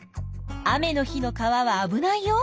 雨の日の川はあぶないよ。